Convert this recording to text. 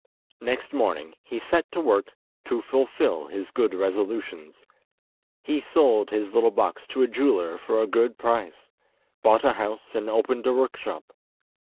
Next morning he set to work to fulfil his good resolutions. He sold his little box to a jeweller for a good price, bought a house and opened a workshop.